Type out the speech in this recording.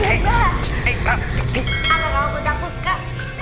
enggak enggak aku takut kak